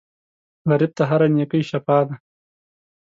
غریب ته هره نېکۍ شفاء ده